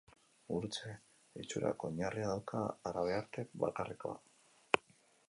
Gurutze itxurako oinarria dauka, habearte bakarrekoa.